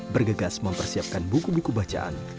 bergegas mempersiapkan buku buku bacaan